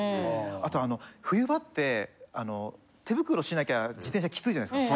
あとあの冬場って手袋しなきゃ自転車キツイじゃないですか。